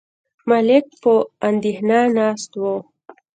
ملک په اندېښنه ناست و.